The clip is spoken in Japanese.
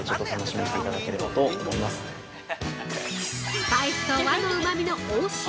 スパイスと和のうまみの応酬！